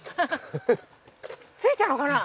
着いたのかな？